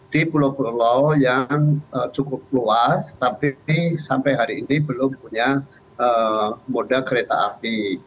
di pulau pulau yang cukup luas tapi sampai hari ini belum punya moda kereta api